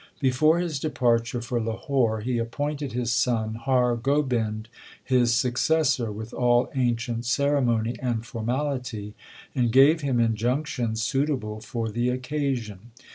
Before his departure for Lahore he appointed his son Har Gobind his successor with all ancient ceremony and formality, and gave him injunctions suitable for the occasion.